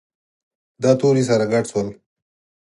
دا توري سره ګډ شول.